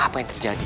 apa yang terjadi